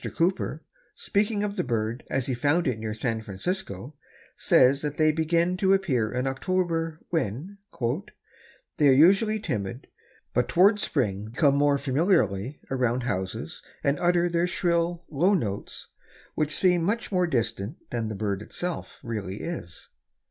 Cooper, speaking of the bird as he found it near San Francisco, says that they begin to appear in October, when "they are usually timid, but toward spring come more familiarly around houses and utter their shrill, low notes, which seem much more distant than the bird itself really is.